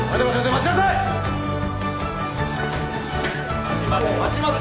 待ちます。